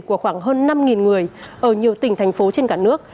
của khoảng hơn năm người ở nhiều tỉnh thành phố trên cả nước